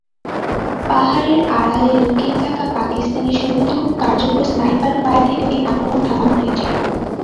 পাথরের আড়ালে লুকিয়ে থাকা পাকিস্তানি সৈন্যদের খুব কার্যকর স্নাইপার ফায়ার থেকেও এই আক্রমণ থামানো হয়েছিল।